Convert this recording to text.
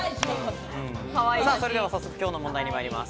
それでは早速きょうの問題に参ります。